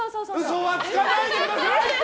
嘘はつかないでください！